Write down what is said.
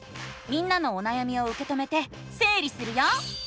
みんなのおなやみをうけ止めてせい理するよ！